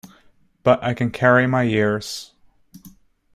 But I can carry my years.